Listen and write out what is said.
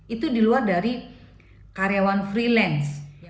itu di luar dari karyawan freelance